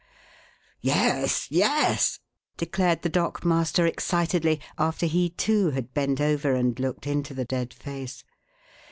"Yes, yes!" declared the dock master excitedly, after he, too, had bent over and looked into the dead face.